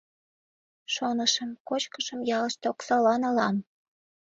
— Шонышым, кочкышым ялыште оксала налам.